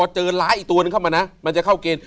จะมาที่จะเข้าเกณฑ์